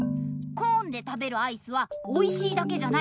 コーンで食べるアイスはおいしいだけじゃない。